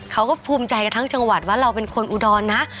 เขาก็ภูมิใจกันทั้งจังหวัดว่าเราเป็นคนอุดรนะ